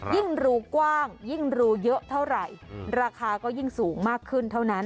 รูกว้างยิ่งรูเยอะเท่าไหร่ราคาก็ยิ่งสูงมากขึ้นเท่านั้น